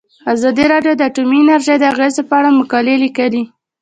ازادي راډیو د اټومي انرژي د اغیزو په اړه مقالو لیکلي.